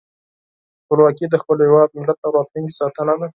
خپلواکي د خپل هېواد، ملت او راتلونکي ساتنه ده.